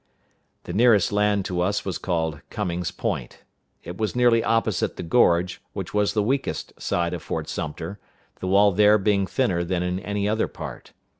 The nearest land to us was called Cummings Point. It was nearly opposite the gorge, which was the weakest side of Fort Sumter, the wall there being thinner than in any other part.